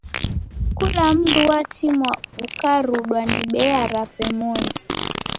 Kula mundu watimwa ukarudwa ni bea rape moni.